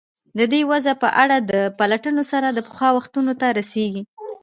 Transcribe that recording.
د دې وضع په اړه د پلټنو سر د پخوا وختونو ته رسېږي.